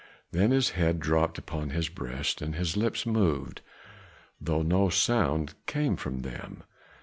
Then his head dropped upon his breast and his lips moved, though no sound came from them.